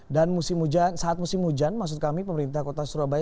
dan saat musim hujan maksud kami pemerintah kota surabaya